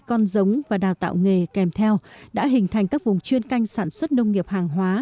con giống và đào tạo nghề kèm theo đã hình thành các vùng chuyên canh sản xuất nông nghiệp hàng hóa